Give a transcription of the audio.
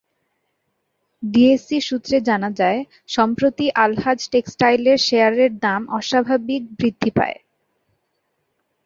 DSE সূত্রে জানা যায়, সম্প্রতি আলহাজ টেক্সটাইলের শেয়ারের দাম অস্বাভাবিক বৃদ্ধি পায়।